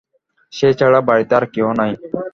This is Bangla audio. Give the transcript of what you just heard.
সে ছাড়া বাড়িতে আর কেহ নাই।